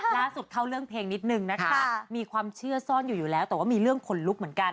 เข้าเรื่องเพลงนิดนึงนะคะมีความเชื่อซ่อนอยู่อยู่แล้วแต่ว่ามีเรื่องขนลุกเหมือนกัน